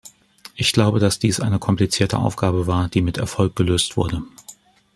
Ich glaube, dass dies eine komplizierte Aufgabe war, die mit Erfolg gelöst wurde.